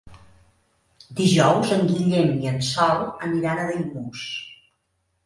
Dijous en Guillem i en Sol aniran a Daimús.